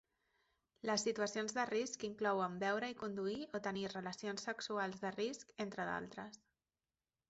Les situacions de risc inclouen beure i conduir o tenir relacions sexuals de risc entre d'altres.